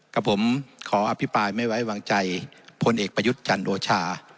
กับผมขออภิปรายไม่ไว้วางใจพลเอกประยุทธ์จันโอชา